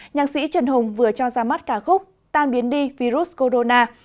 nhạc sĩ trần hùng vừa cho ra mắt ca khúc tan biến đi virus corona